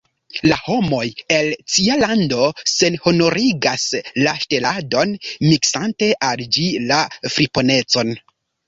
La homoj el cia lando senhonorigas la ŝteladon, miksante al ĝi la friponecon.